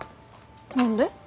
何で？